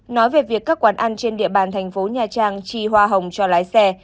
nói về việc các quán ăn trên địa bàn thành phố nha trang chi hoa hồng cho lái xe